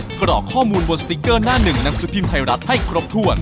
กรอกข้อมูลบนสติ๊กเกอร์หน้าหนึ่งหนังสือพิมพ์ไทยรัฐให้ครบถ้วน